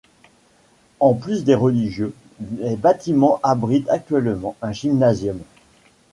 En plus des religieux, les bâtiments abritent actuellement un gymnasium.